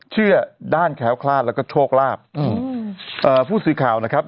เชื่อด้านแค้วคลาดแล้วก็โชคลาภอืมเอ่อผู้สื่อข่าวนะครับ